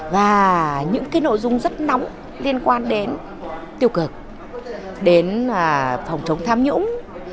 và những nội dung rất nóng liên quan đến tiêu cực đến phòng chống tham nhũng